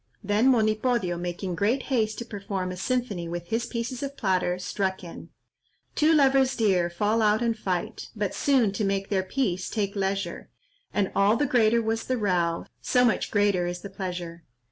Then Monipodio, making great haste to perform a symphony with his pieces of platter, struck in— "Two lovers dear, fall out and fight, But soon, to make their peace, take leisure; And all the greater was the row, So much the greater is the pleasure."